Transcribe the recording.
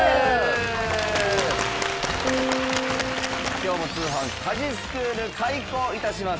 今日も通販☆家事スクール開校致します。